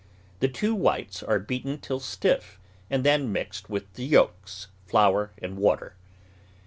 The two whites are beaten till stiff and then mixed with the yolks, flour, and water.